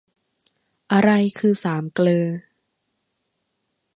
อะไรคือสามเกลอ